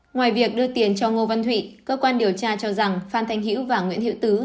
ngoài việc đưa tiền cho ngô văn thụy cơ quan điều tra cho rằng phan thanh hiễu và nguyễn hiệu tứ